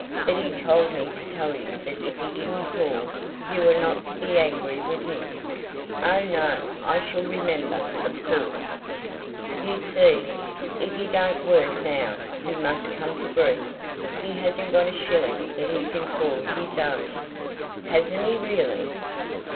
But he told me to tell you that if he didn't call, you were not to be angry with him." "Oh, no; I shall remember, of course." "You see, if he don't work now he must come to grief. He hasn't got a shilling that he can call his own." "Hasn't he really?"